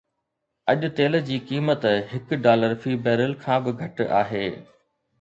اڄ تيل جي قيمت هڪ ڊالر في بيرل کان به گهٽ آهي.